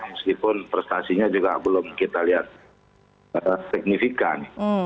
meskipun prestasinya juga belum kita lihat signifikan